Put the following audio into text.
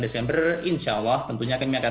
desember insya allah tentunya kami akan